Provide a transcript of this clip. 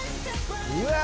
うわ！